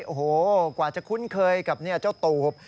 โอ้โหกว่าจะคุ้นเคยกับเจ้าตูบ